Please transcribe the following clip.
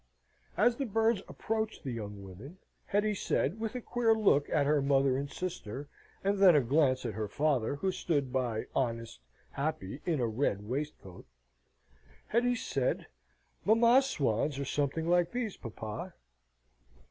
As the birds approached the young women, Hetty said, with a queer look at her mother and sister, and then a glance at her father, who stood by, honest, happy, in a red waistcoat, Hetty said: "Mamma's swans are something like these, papa."